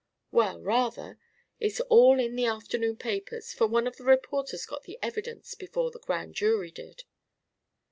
"Well, rather. It's all in the afternoon papers, for one of the reporters got the evidence before the Grand Jury did."